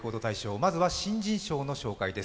まずは新人賞の紹介です。